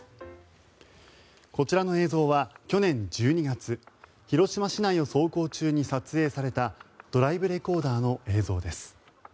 こちらの映像は去年１２月広島市内を走行中に撮影されたドライブレコーダーの映像です。